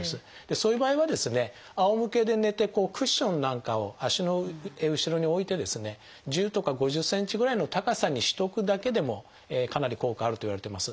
そういう場合はですねあおむけで寝てクッションなんかを足の後ろに置いてですね１０とか５０ｃｍぐらいの高さにしておくだけでもかなり効果があるといわれています。